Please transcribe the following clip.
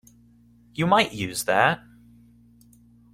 You might use that.